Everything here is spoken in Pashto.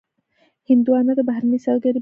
هندوانه د بهرنۍ سوداګرۍ برخه ده.